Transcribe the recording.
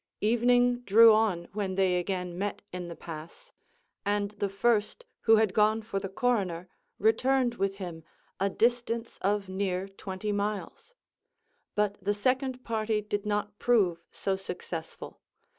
Evening drew on when they again met in the pass: and the first, who had gone for the coroner, returned with him, a distance of near twenty miles; but the second party did not prove so successful.